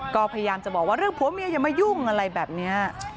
ก็พยายามจะบอกว่าเรื่องผัวเมียอย่ามายุ่งอะไรแบบนี้